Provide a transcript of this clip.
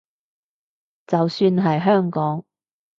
就算係香港